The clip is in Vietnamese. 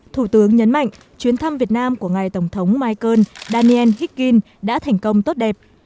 thủ tướng nhấn mạnh chuyến thăm việt nam của ngài tổng thống michael daniel hikin đã thành công tốt đẹp